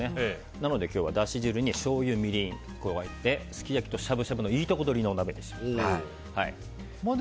なので今日は、だし汁にしょうゆとみりんを加えてすき焼きとしゃぶしゃぶのいいとこ取りのお鍋ですので。